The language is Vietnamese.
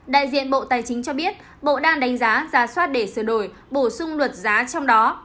đại diện bộ tài chính cho biết bộ đang đánh giá giá soát để sửa đổi bổ sung luật giá trong đó